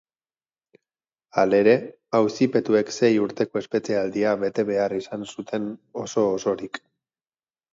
Halere, auzipetuek sei urteko espetxealdia bete behar izan zuten oso-osorik.